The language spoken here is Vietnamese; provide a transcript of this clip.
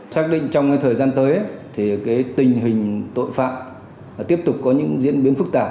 xác định trong thời gian tới thì tình hình tội phạm tiếp tục có những diễn biến phức tạp